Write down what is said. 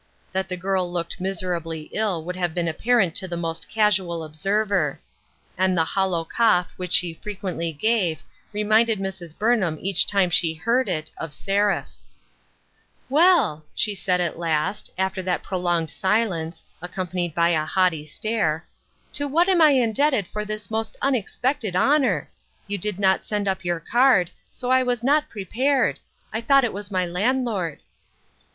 That the girl looked miserably ill would have been apparent to the most casual observer ; and the hollow cough which she frequently gave reminded Mrs. Burn ham each time she heard it, of Seraph. UNDER GUIDANCE. 3T7 "Well," she said at last, after that prolonged silence, accompanied by a haughty stare, " to what am I indebted for this most unexpected honor ? You did not send up your card, so I was not prepared ; I thought it was my landlord."